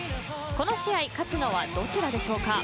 この試合勝つのはどちらでしょうか。